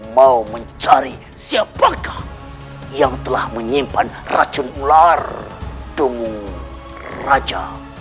mau mencari siapakah yang telah menyimpan racun ular dungu raja